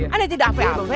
ini tidak apa apa